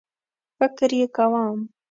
فکر یې کوم